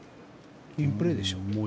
インプレーでしょう。